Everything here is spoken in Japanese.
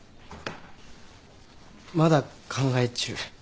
まだ考え中。